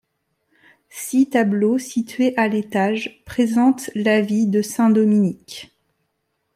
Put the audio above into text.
Six tableaux situés à l'étage présentent la vie de Saint Dominique.